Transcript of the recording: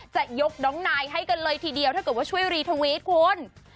จะยกน้องนายให้กันเลยทีเดียวถ้าเกิดว่าช่วยรีทวิตคุณ